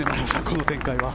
この展開は。